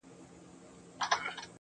خود به يې اغزی پرهر، پرهر جوړ کړي.